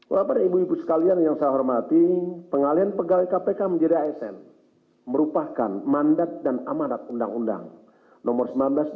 bapak dan ibu ibu sekalian yang saya hormati pengalian pegawai kpk menjadi asn merupakan mandat dan amadat undang undang nomor sembilan belas dua ribu sembilan belas